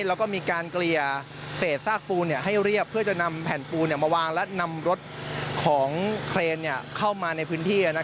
แล้วก็มีการเกลี่ยเศษซากปูนให้เรียบเพื่อจะนำแผ่นปูนมาวางและนำรถของเครนเข้ามาในพื้นที่